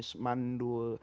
saya sudah semis mandul